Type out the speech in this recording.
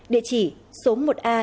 địa chỉ số một a